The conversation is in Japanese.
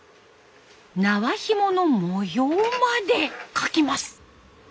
縄ひもの模様まで描きます。